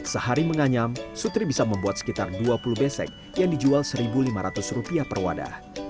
sehari menganyam sutri bisa membuat sekitar dua puluh besek yang dijual rp satu lima ratus per wadah